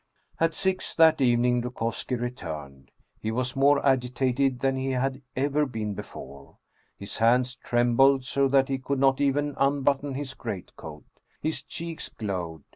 At six that evening Dukovski returned. He was more agitated than he had ever been before. His hands trem bled so that he could not even unbutton his greatcoat. His cheeks glowed.